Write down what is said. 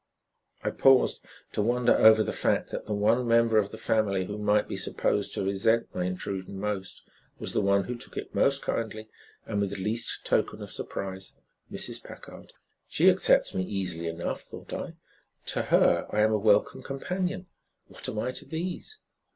I paused to wonder over the fact that the one member of the family who might be supposed to resent my intrusion most was the one who took it most kindly and with least token of surprise Mrs. Packard. "She accepts me easily enough," thought I. "To her I am a welcome companion. What am I to these?"